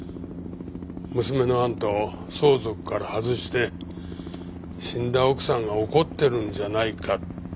娘のあんたを相続から外して死んだ奥さんが怒ってるんじゃないかってね。